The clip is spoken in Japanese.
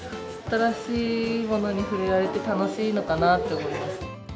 新しいものに触れあえて、楽しいのかなと思います。